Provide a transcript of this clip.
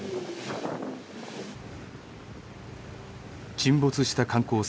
沈没した観光船